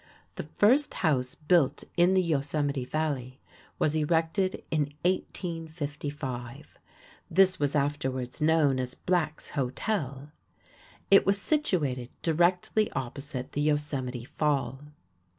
The first house built in the Yosemite Valley was erected in 1855. This was afterwards known as Black's Hotel. It was situated directly opposite the Yosemite Fall.